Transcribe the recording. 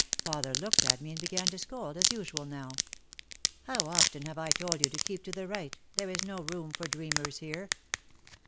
Father looked at me and began to scold as usual now : "How often have I told you to keep to the right. There is no room for dreamers here."